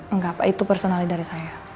enggak apa itu personal dari saya